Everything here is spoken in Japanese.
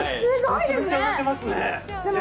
めちゃめちゃ売れてますね。